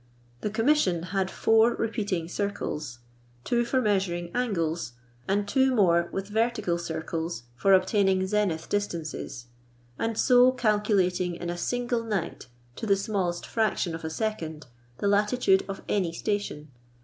The Commission had four repeating circles : two for measuring angles, and two more with vertical circles for obtaining zenith distances, and so calculating in a single night, to the smallest fraction of a second, the latitude of any station.